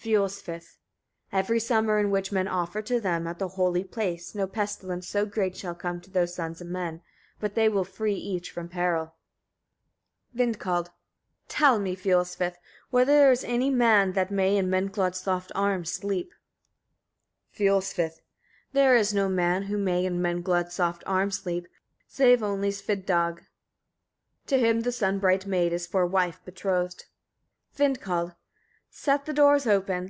Fiolsvith. 41. Every summer in which men offer to them, at the holy place, no pestilence so great shall come to the sons of men, but they will free each from peril. Vindkald. 42. Tell me, Fiolsvith! etc., whether there is any man that may in Menglod's soft arms sleep? Fiolsvith. 43. There is no man who may in Menglod's soft arms sleep, save only Svipdag; to him the sun bright maid is for wife betrothed. Vindkald. 44. Set the doors open!